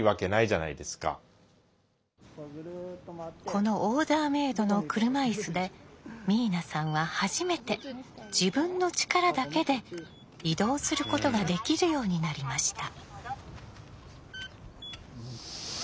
このオーダーメードの車いすで明奈さんは初めて自分の力だけで移動することができるようになりました。